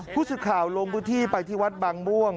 ผู้สื่อข่าวลงพื้นที่ไปที่วัดบางม่วง